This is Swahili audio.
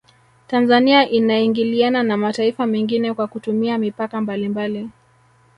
Tanzania inaingiliana na mataifa mengine kwa kutumia mipaka mbalimbali